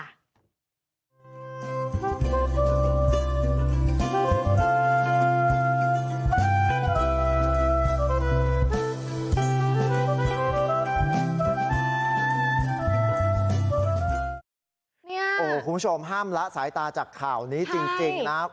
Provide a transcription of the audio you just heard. คุณผู้ชมห้ามละสายตาจากข่าวนี้จริงนะครับ